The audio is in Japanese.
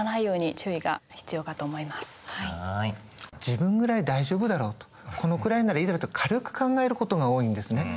自分ぐらい大丈夫だろうとこのくらいならいいだろうと軽く考えることが多いんですね。